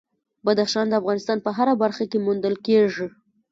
بدخشان د افغانستان په هره برخه کې موندل کېږي.